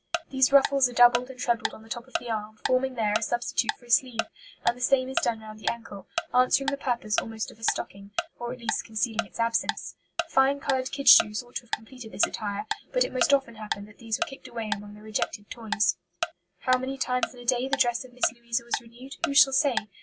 These ruffles are doubled and trebled on the top of the arm, forming there a substitute for a sleeve; and the same is done around the ankle, answering the purpose almost of a stocking, or at least concealing its absence. Fine coloured kid shoes ought to have completed this attire, but it most often happened that these were kicked away among the rejected toys. "How many times in a day the dress of Miss Louisa was renewed, who shall say?